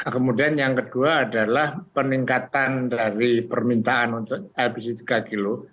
kemudian yang kedua adalah peningkatan dari permintaan untuk lpg tiga kg